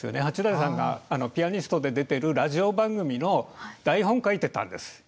八大さんがピアニストで出てるラジオ番組の台本書いてたんです。